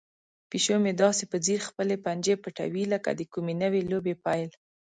پیشو مې داسې په ځیر خپلې پنجې پټوي لکه د کومې نوې لوبې پیل.